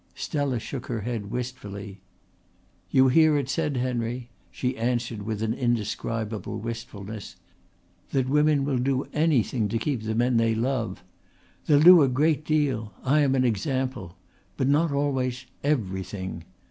Stella shook her head wistfully. "You hear it said, Henry," she answered with an indescribable wistfulness, "that women will do anything to keep the men they love. They'll do a great deal I am an example but not always everything.